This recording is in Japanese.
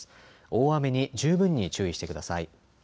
大雨に十分に注意してください。